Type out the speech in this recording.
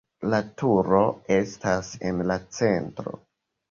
La turo estas en la centro.